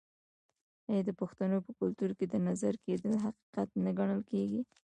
آیا د پښتنو په کلتور کې د نظر کیدل حقیقت نه ګڼل کیږي؟